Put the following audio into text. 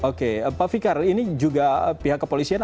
oke pak fikar ini juga pihak kepolisian